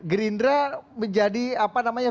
gerindra menjadi apa namanya